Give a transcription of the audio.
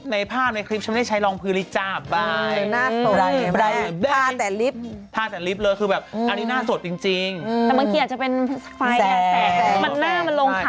ในภาพในคลิปฉันไม่ได้ใช้รองพื้นหรือจ้าบ